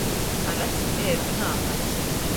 Ar acim teiruma naaparsi.